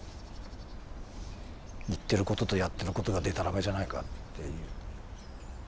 言ってることとやってることがでたらめじゃないかっていう。